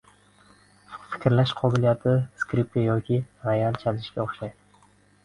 Fikrlash qobiliyati skripka yoki royal chalishga o‘xshaydi.